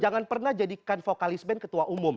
jangan pernah jadikan vokalis band ketua umum